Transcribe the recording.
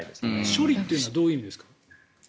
処理というのはどういう意味ですか？